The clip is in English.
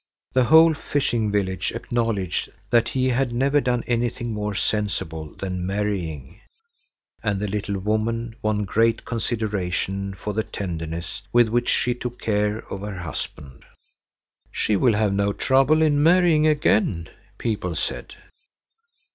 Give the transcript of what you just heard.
The whole fishing village acknowledged that he had never done anything more sensible than marrying, and the little woman won great consideration for the tenderness with which she took care of her husband. "She will have no trouble in marrying again," people said.